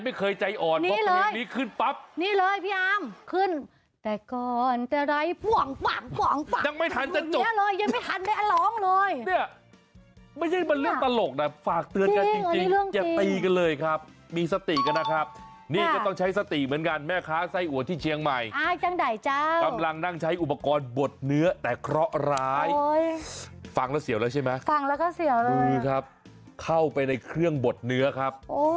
มันสั่งแล้วเสี่ยวแล้วใช่ไหมสั่งแล้วก็เสี่ยวเลยค่ะเข้าไปในเครื่องบดเนื้อครับ